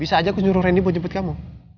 bisa aja aku nyuruh randy buat jemput kamu